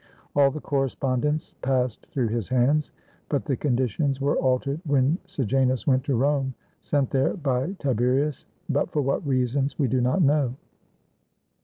All the correspondence passed through his hands. But the conditions were altered when Sejanus went to Rome, sent there by Tiberius, but for what reasons we do not know.